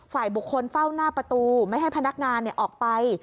ฝ่ายบุคคลเฝ้าหน้าประตูไม่ให้พนักงานออกไป